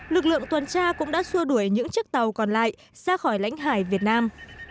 lực lượng tuần tra cũng đã xua đuổi những chiếc tàu còn lại ra khỏi lãnh hải việt nam